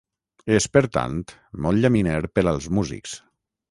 És, per tant, molt llaminer per als músics.